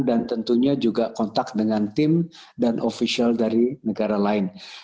dan tentunya juga kontak dengan tim dan ofisial dari negara lain